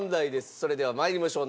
それでは参りましょう。